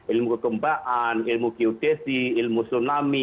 ilmu kekembaan ilmu geodesi ilmu tsunami